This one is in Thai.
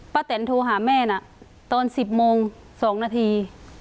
แตนโทรหาแม่นะตอน๑๐โมง๒นาที